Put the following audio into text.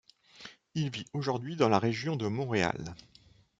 Il vit aujourd'hui dans la région de Montréal.